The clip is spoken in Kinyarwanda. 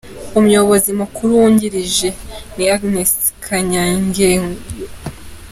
Umuyobozi mukuru wungirije ni Agnès Kanyangeyo.